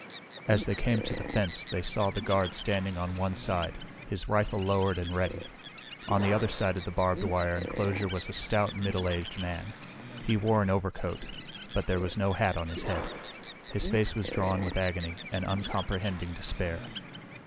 As they came to the fence they saw the guard standing on one side, his rifle lowered and ready. On the other side of the barbed wire enclosure was a stout, middle aged man. He wore an overcoat, but there was no hat on his head. His face was drawn with agony and uncomprehending despair.